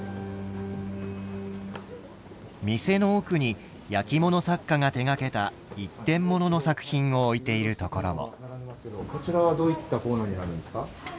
店の奥に焼き物作家が手がけた一点ものの作品を置いているところも。